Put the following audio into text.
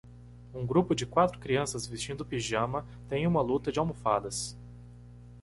Um grupo de quatro crianças vestindo pijama tem uma luta de almofadas.